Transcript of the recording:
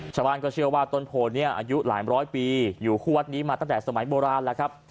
ชาวบ้านก็เชื่อว่าต้นโพนี้อายุหลายร้อยปีอยู่คู่วัดนี้มาตั้งแต่สมัยโบราณแล้วครับ